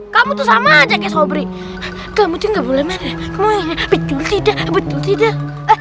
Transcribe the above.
kamu tuh sama aja kek sobre kamu juga boleh main main betul tidak betul tidak